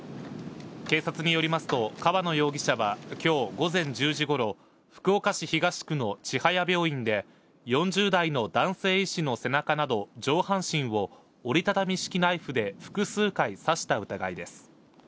警察によりますと、川野容疑者はきょう午前１０時ごろ、福岡市東区の千早病院で、４０代の男性医師の背中など上半身を、折り畳み式ナイフで複数回刺した疑いです。